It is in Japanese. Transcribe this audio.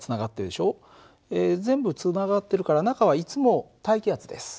全部つながってるから中はいつも大気圧です。